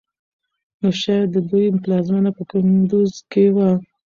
نو شايد د دوی پلازمېنه په کندوز کې وه